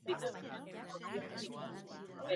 Teorian, sistema berria demokrazia parlamentarioa zen.